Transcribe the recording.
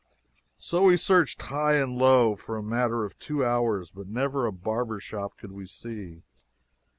So we searched high and low, for a matter of two hours, but never a barber shop could we see.